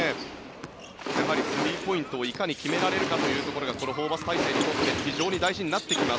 やはりスリーポイントをいかに決められるかというところがこのホーバス体制にとって非常に大事になってきます。